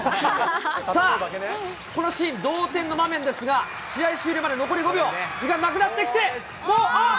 さあ、このシーン、同点の場面ですが、試合終了まで残り５秒、時間なくなってきて、もう、あっ。